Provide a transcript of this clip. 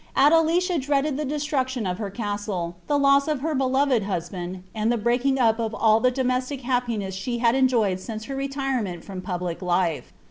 Adelicia dreaded ihe deatruciion of her casile. ihi li«i of her ticloved bosband, and the breaking up of all tlie domf ^' ahe had enjoyed nince her retirement from public life.